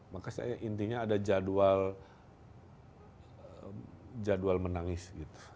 maka saya intinya ada jadwal menangis